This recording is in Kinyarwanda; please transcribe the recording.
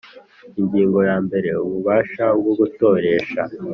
Ingingo ya mbere Ububasha bwo gutoresha